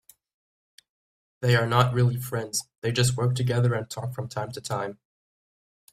They are not really friends, they just work together and talk from time to time.